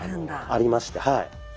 ありましてはい。